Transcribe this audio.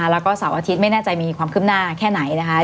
แล้วก็เสาร์อาทิตย์ไม่แน่ใจมีความคืบหน้าแค่ไหนนะคะ